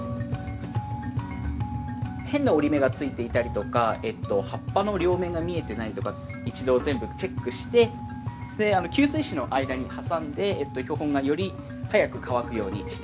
変な折り目がついていたりとか葉っぱの両面が見えてないとか一度全部チェックしてで吸水紙の間に挟んで標本がより早く乾くようにしていきます。